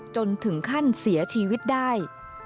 จนถึงขั้นเสียชีวิตได้